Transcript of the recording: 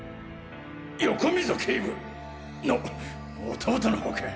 横溝警部の弟の方か？